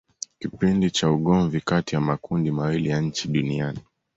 Kipindi cha ugomvi kati ya makundi mawili ya nchi Duniani